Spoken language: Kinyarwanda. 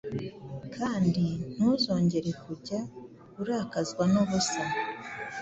kandi ntuzongere kujya urakazwa n’ubusa